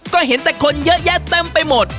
ก็เห็นแต่คนเยอะแยะเต็มไปหมด